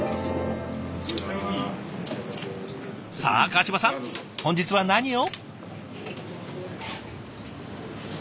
さあ川島さん本日は何を？